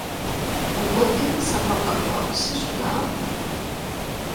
Mho pot dir més a poc a poc, si us plau?